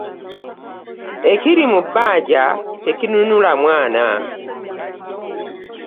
Ekiri mu bbanja tekinunula mwana .